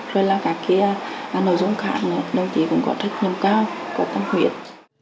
rồi là các nội dung khác đồng chí cũng có trách nhiệm cao có tâm huyết